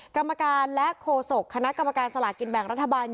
กรรมการและโฆษกคณะกรรมการสลากินแบ่งรัฐบาล